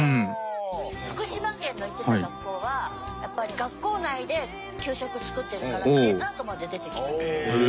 福島県の行ってた学校はやっぱり学校内で給食を作ってるからデザートまで出てきたりとか。